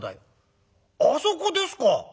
「あそこですか。